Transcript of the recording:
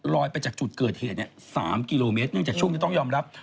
ไปจากจุดเกิดเหตุ๓กิโลเมตรเนื่องจากช่วงนี้ต้องยอมรับ